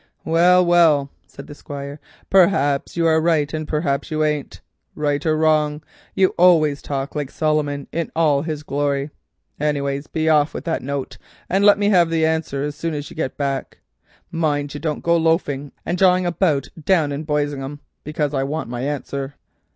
"Well, well," said the Squire, "perhaps you are right and perhaps you ain't. Right or wrong, you always talk like Solomon in all his glory. Anyway, be off with that note and let me have the answer as soon as you get back. Mind you don't go loafing and jawing about down in Boisingham, because I want my answer."